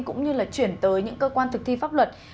cũng như là chuyển tới những cơ quan thực thi pháp luật